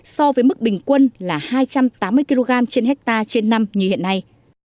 so với mức bình quân là hai trăm tám mươi kg trên hectare trên năm như hiện nay